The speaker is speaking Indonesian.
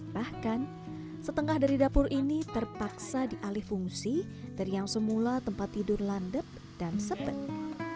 bahkan setengah dari dapur ini terpaksa dialih fungsi teriang semula tempat tidur landep dan sepet